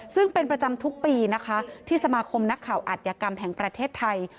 ซึ่งเป็นประจำทุกปีนะคะที่สมาคมนักข่าวอัธยกรรมแห่งประเทศไทย